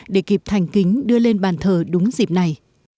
để kịp thành kính đưa lên bàn thờ đúng dịp này